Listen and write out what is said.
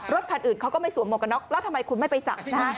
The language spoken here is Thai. ๒รถคันอื่นเขาก็ไม่สวมมกน็อกแล้วทำไมคุณไม่ไปจัด